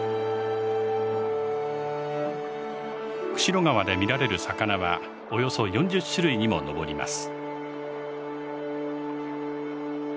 釧路川で見られる魚はおよそ４０種類にも上ります。